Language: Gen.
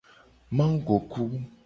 Magoku.